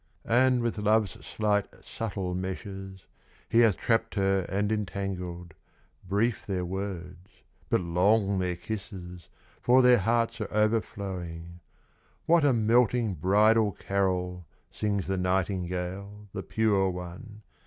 And with love's slight, subtle meshes, He hath trapped her and entangled; Brief their words, but long their kisses, For their hearts are overflowing. What a melting bridal carol, Sings the nightingale, the pure one!